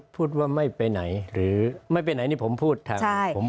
พูดว่าไม่ไปไหนหรือไม่ไปไหนนี่ผมพูดทางผม